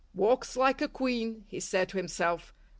"Walks like a queen," he said to himself.